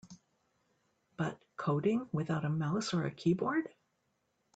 But coding without a mouse or a keyboard?